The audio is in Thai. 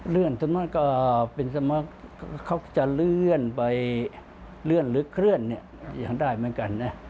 ส่วนมากก็เป็นสมัครเขาจะเลื่อนไปเลื่อนหรือเคลื่อนเนี่ยยังได้เหมือนกันนะ